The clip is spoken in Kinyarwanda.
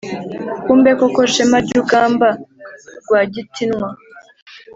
kumbe koko shema ryugamba rwagitinwa